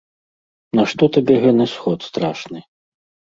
Нашто табе гэны сход страшны?